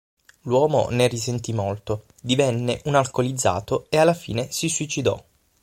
L'uomo ne risentì molto, divenne un alcolizzato e alla fine si suicidò.